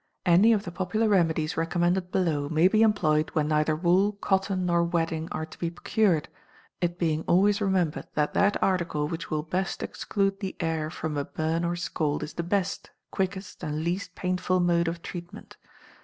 Any of the popular remedies recommended below may be employed when neither wool, cotton, nor wadding are to be procured, it being always remembered that that article which will best exclude the air from a burn or scald is the best, quickest, and least painful mode of treatment.